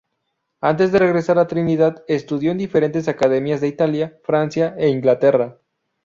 Antes de regresar a Trinidad estudió en diferentes academias de Italia, Francia e Inglaterra.